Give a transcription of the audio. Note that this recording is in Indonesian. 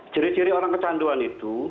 ciri ciri orang kecanduan itu